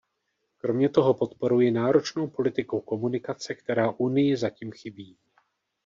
Kromě toho podporuji náročnou politiku komunikace, která Unii zatím chybí.